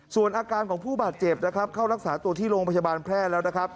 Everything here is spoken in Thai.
ส่วนอาการของผู้บาดเจ็บนะครับเข้ารักษาตัวที่โรงพยาบาลแพร่แล้วนะครับ